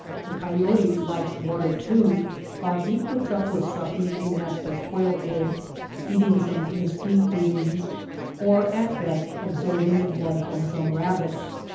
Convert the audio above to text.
The coyote likes water, too, but he puts up with sucking a nest of quail eggs, eating some mes quite beans, or at best absorbing the blood from some rabbit.